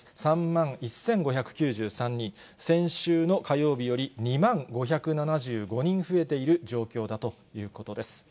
３万１５９３人、先週の火曜日より２万５７５人増えている状況だということです。